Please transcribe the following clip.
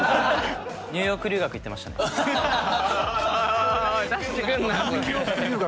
ニューヨーク留学行ってたの？